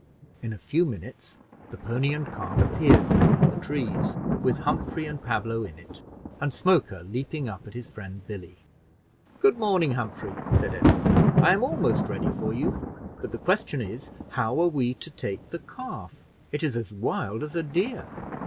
In a few minutes, the pony and cart appeared between the trees, with Humphrey and Pablo in it, and Smoker leaping up at his friend Billy. "Good morning, Humphrey," said Edward: "I am almost ready for you; but the question is, how are we to take the calf? It is as wild as a deer."